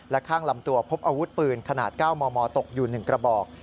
และข้างลำตัวพบอาวุธปืนขนาด๙มมตกอยู่๑กระบอก